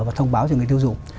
và thông báo cho người tiêu dùng